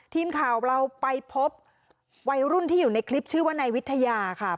ทีมข่าวเราไปพบวัยรุ่นที่อยู่ในคลิปชื่อว่านายวิทยาค่ะ